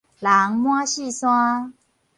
人滿四山